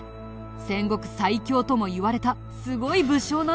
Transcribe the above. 戦国最強ともいわれたすごい武将なんだけど。